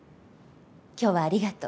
今日はありがとう。